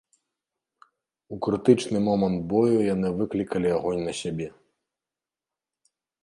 У крытычны момант бою яны выклікалі агонь на сябе.